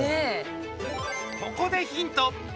ここでヒント。